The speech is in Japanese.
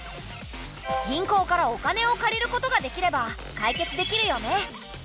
銀行からお金を借りることができれば解決できるよね。